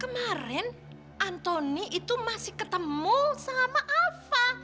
kemarin antoni itu masih ketemu sama alva